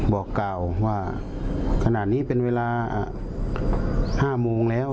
บอกกล่าวว่าขนาดนี้เป็นเวลา๕โมงแล้ว